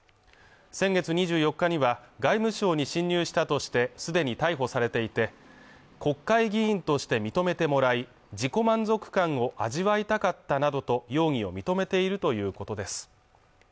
先月２４日には外務省に侵入したとして既に逮捕されていて国会議員として認めてもらい自己満足感を味わいたかったなどと容疑を認めているということです